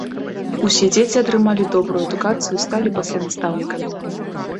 Усе дзеці атрымалі добрую адукацыю і сталі пасля настаўнікамі.